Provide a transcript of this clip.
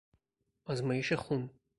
آزمایش خون